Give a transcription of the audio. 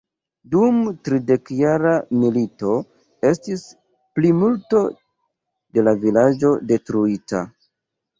Dum tridekjara milito estis plimulto de la vilaĝo detruita.